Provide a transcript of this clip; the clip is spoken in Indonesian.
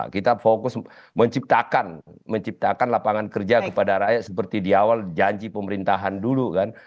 kita fokus menciptakan lapangan kerja kepada rakyat seperti di awal janji pemerintahan dulu kan